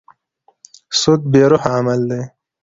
سود بې روحه عمل دی.